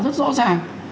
rất rõ ràng